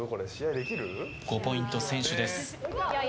５ポイント先取です。